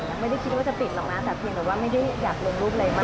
ไม่ได้คิดว่าจะปิดหรอกนะแต่เพียงแต่ว่าไม่ได้อยากลงรูปอะไรมาก